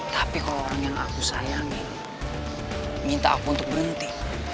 tapi kalau orang yang aku sayangin minta aku untuk berhenti